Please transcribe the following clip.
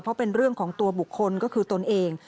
เพราะเป็นเรื่องของตัวบุคคลก็คือตนเอง